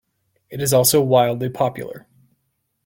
It is also wildly popular.